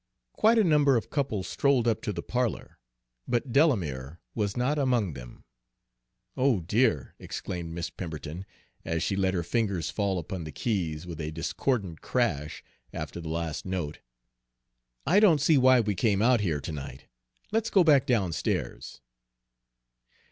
Quite a number of couples strolled up to the parlor, but Delamere was not among them. "Oh dear!" exclaimed Miss Pemberton, as she let her fingers fall upon the keys with a discordant crash, after the last note, "I don't see why we came out here to night. Let's go back downstairs."